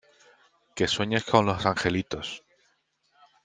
Que sueñes con los angelitos.